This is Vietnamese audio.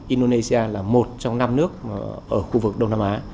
indonesia là một trong năm nước ở khu vực đông nam á